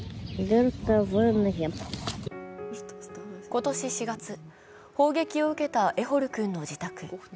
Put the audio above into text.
今年４月、砲撃を受けたエホル君の自宅。